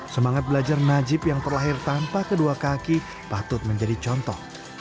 semangat belajar najib yang terlahir tanpa kedua kaki patut menjadi contoh